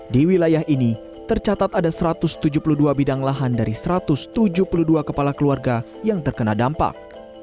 di wilayah ini tercatat ada satu ratus tujuh puluh dua bidang lahan dari satu ratus tujuh puluh dua kepala keluarga yang terkena dampak